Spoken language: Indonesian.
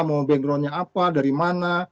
mau backgroundnya apa dari mana